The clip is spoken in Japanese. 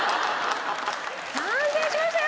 完成しましたよ